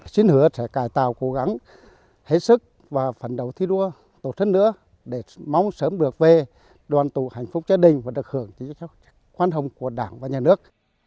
xin hứa sẽ cải tạo cố gắng hết sức và phần đầu thi đua tổ chức nữa để mong sớm được về đoàn tù hạnh phúc gia đình và được hưởng thích cho quan hệ của đảng và nhà nước